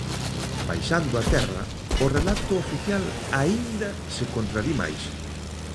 Baixando á terra, o relato oficial aínda se contradí máis.